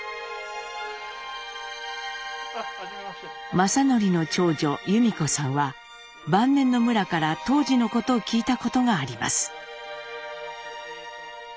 正順の長女由美子さんは晩年のむらから当時のことを聞いたことがあります。